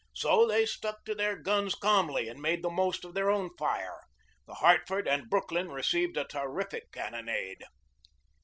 So they stuck to their guns calmly and made the most of their own fire. The Hartford and Brooklyn received a terrific cannonade.